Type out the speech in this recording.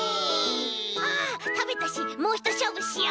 あったべたしもうひとしょうぶしよう！